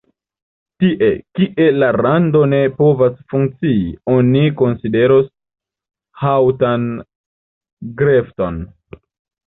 Tie, kie la rado ne povas funkcii, oni konsideros haŭtan grefton.